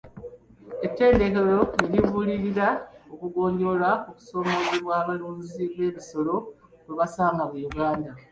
Ettendekero liruubirira okugonjoola okusoomoozebwa abalunzi b'ebisolo kwe basanga mu Uganda.